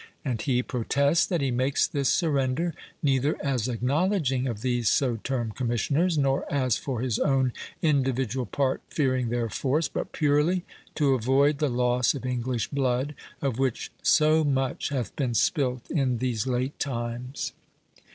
And he protests that he makes this surrender, neither as acknowledging of these so termed Commissioners, nor as for his own individual part fearing their force, but purely to avoid the loss of English blood, of which so much hath been spilt in these late times."